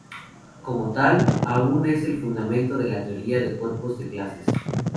Como tal, aún es el fundamento de la teoría de cuerpos de clases.